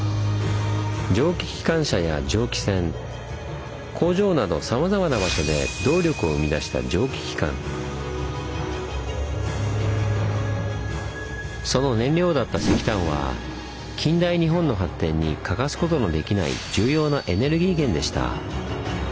蒸気機関車や蒸気船工場などさまざまな場所でその燃料だった石炭は近代日本の発展に欠かすことのできない重要なエネルギー源でした。